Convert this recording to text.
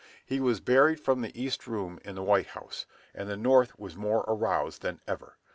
He was buried from the east room in the White House, and the North was more aroused than ever.